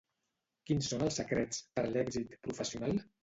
Quins són els secrets per l'èxit professional?